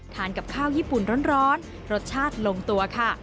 กับข้าวญี่ปุ่นร้อนรสชาติลงตัวค่ะ